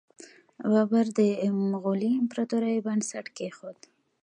بابر د مغولي امپراتورۍ بنسټ کیښود.